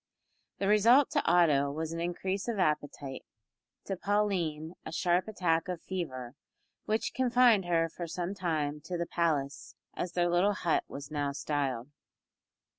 The result to Otto was an increase of appetite; to Pauline, a sharp attack of fever, which confined her for some time to the palace, as their little hut was now styled.